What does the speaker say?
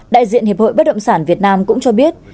đại diện hiệp hội bất động sản việt nam cũng cho biết